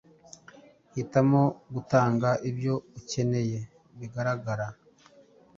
Hitamo gutanga ibyo ukeneye bigaragara,